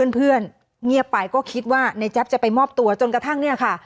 เงียบไปก็คิดว่าในแจ๊บจะไปมอบตัวจนกระทั่งเนี่ยค่ะ